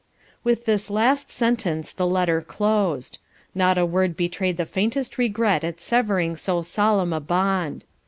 With this last sentence the letter closed. Not a word betrayed the faintest regret at severing so solemn a bond.